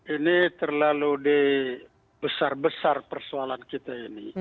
ini terlalu di besar besar persoalan kita